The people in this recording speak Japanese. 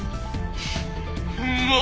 うまっ！